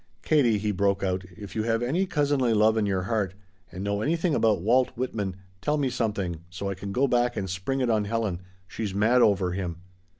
"Katie," he broke out, "if you have any cousinly love in your heart, and know anything about Walt Whitman, tell me something, so I can go back and spring it on Helen. She's mad over him."